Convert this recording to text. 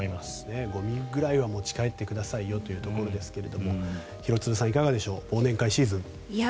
ゴミくらいは持ち帰ってくださいよというところですが廣津留さん、いかがでしょう忘年会シーズン。